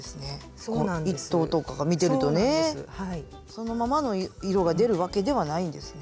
そのままの色が出るわけではないんですね。